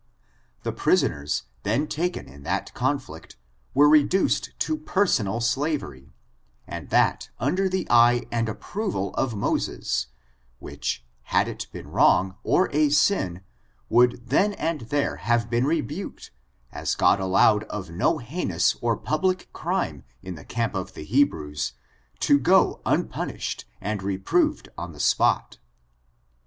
The prisoners then taken in that conflict were reduced to personal slavery, and that under the eye and approval of Moses ; which, had it been wrong, or a sin, would then and there have been rebuked, as God allowed of no heinous or pub ^#»^^^>^^>^^»»^>^^»% FORTUNES, OF THE NEGRO B.ACE, 161 lie crime in the camp of the Hebrews, to go impun ished and reproved on the spot.